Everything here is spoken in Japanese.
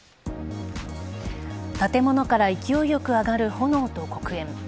建物から勢いよく上がる炎と黒煙。